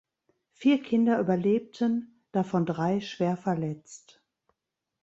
Vier Kinder überlebten, davon drei schwerverletzt.